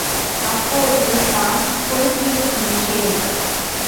அப்போது நான் கொடுத்திருக்கிறேன்.